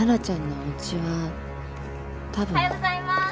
おはようございます。